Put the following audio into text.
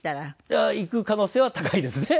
いや行く可能性は高いですね。